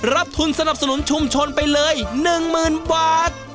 รับทุนสนับสนุนชุมชนไปเลย๑๐๐๐บาท